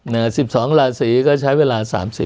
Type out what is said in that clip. เนี่ย๑๒ลาศรีก็ใช้เวลา๓๐ปี